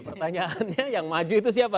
pertanyaannya yang maju itu siapa